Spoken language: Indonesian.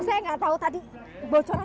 saya tidak tahu tadi bocoran apa